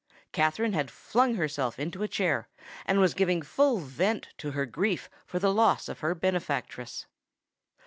Katherine had flung herself into a chair, and was giving full vent to her grief for the loss of her benefactress.